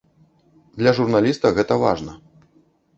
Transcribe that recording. Для журналіста гэта важна.